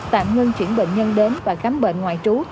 tạm ngưng chuyển bệnh nhân đến và khám bệnh ngoại trú